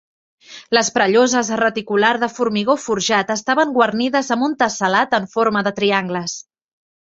Les prelloses reticular de formigó forjat estaven guarnides amb un tessel·lat en forma de triangles.